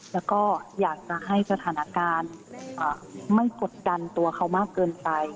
แล้วก็อยากจะให้สถานการณ์ไม่กดดันตัวเขามากเกินไป